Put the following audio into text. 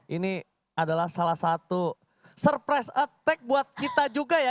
ini adalah salah satu surprise attack buat kita juga ya